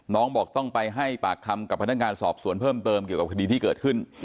น้องบอกต้องไปให้ปากคำกับพนักงานสอบสวนเพิ่มเติมเกี่ยวกับคดีที่เกิดขึ้น